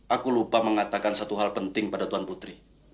aku lupa mengatakan satu hal penting pada tuan putri